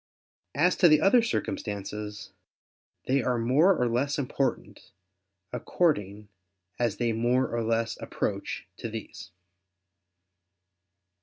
As to the other circumstances, they are more or less important, according as they more or less approach to these.